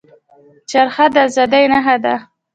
چرخه د ازادۍ نښه شوه.